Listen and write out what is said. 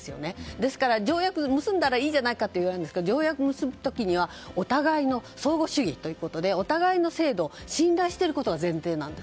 ですから、条約を結んだらいいんじゃないかって言われるんですけども条約を結ぶ時にはお互いの相互主義ということでお互いの制度を信頼していることが前提なんです。